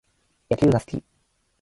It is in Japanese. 野球が好き